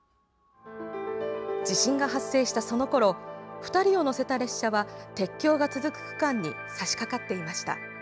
地震が発生したそのころ２人を乗せた列車は鉄橋が続く区間にさしかかっていました。